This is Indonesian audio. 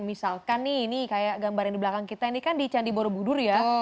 misalkan nih ini kayak gambarin di belakang kita ini kan di candi borobudur ya